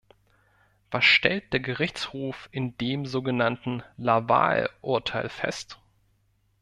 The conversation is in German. Was stellt der Gerichtshof in dem so genannten Laval-Urteil fest?